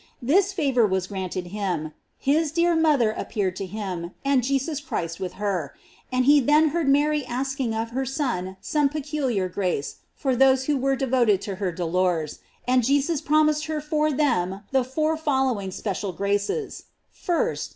This favor was granted him; his dear mot her appear ed to him, and Jesus Christ with her; and he then heard Mary asking of her Son some pecu liar grace for those who were devoted to her dolors; and Jesus promised her for them the four following special graces: 1st.